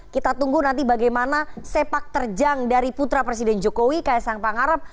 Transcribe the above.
kita tunggu nanti bagaimana sepak terjang dari putra presiden jokowi ksang pangarep